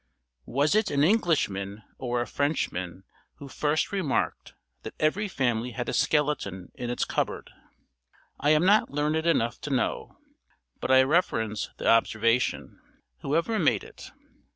WAS it an Englishman or a Frenchman who first remarked that every family had a skeleton in its cupboard? I am not learned enough to know, but I reverence the observation, whoever made it.